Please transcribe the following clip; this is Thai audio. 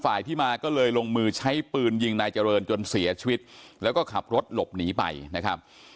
ที่มาก็เลยลงมือใช้ปืนยิงนายเจริญจนเสียชีวิตแล้วก็ขับรถหลบหนีไปนะครับ